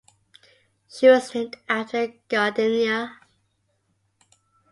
She was named after Gardenia.